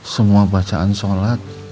semua bacaan shalat